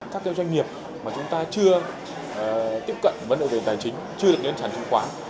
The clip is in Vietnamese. các doanh nghiệp mà chúng ta chưa tiếp cận vấn đề về tài chính chưa được đến sản chứng khoán